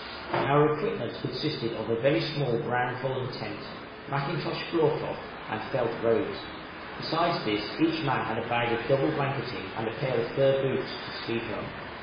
Our equipment consisted of a very small brown holland tent, macintosh floor cloth, and felt robes; besides this, each man had a bag of double blanketing, and a pair of fur boots, to sleep in.